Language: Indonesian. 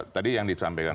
tadi yang disampaikan